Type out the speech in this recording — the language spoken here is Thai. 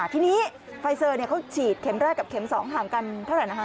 ทีนี้ไฟเซอร์เขาฉีดเข็มแรกกับเข็ม๒ห่างกันเท่าไหร่นะคะ